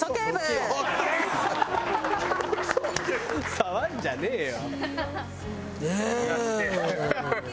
「触んじゃねえよ！」